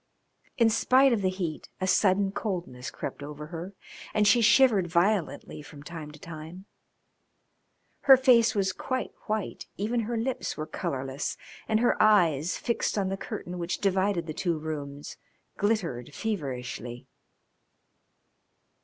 In spite of the heat a sudden coldness crept over her, and she shivered violently from time to time. Her face was quite white, even her lips were colourless and her eyes, fixed on the curtain which divided the two rooms, glittered feverishly.